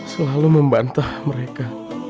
selalu membantah mereka